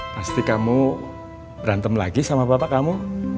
pasti kamu berantem lagi sama bapak kamu